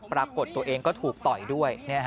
ปรากฏตัวเองก็ถูกต่อยด้วย